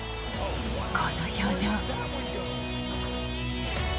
この表情。